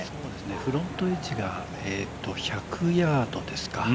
フロントエッジが１００ヤードですか。